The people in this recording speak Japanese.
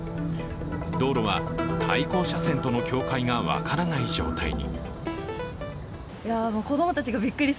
道路は対向車線との境界が分からない状態に。